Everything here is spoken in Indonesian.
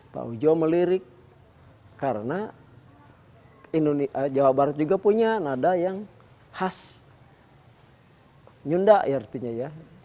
pak wijo melirik karena jawa barat juga punya nada yang khas nyunda ya artinya ya